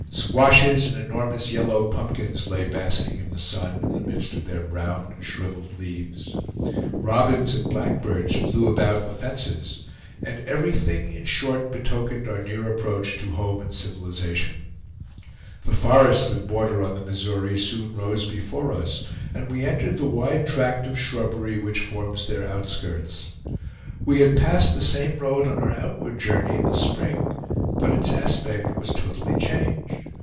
Squashes and enormous yellow pumpkins lay basking in the sun in the midst of their brown and shriveled leaves. Robins and blackbirds flew about the fences; and everything in short betokened our near approach to home and civilization. The forests that border on the Missouri soon rose before us, and we entered the wide tract of shrubbery which forms their outskirts. We had passed the same road on our outward journey in the spring, but its aspect was totally changed.